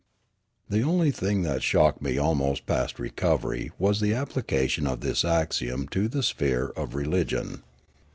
The only thing that shocked me almost past recovery was the application of this axiom to the sphere of re ligion.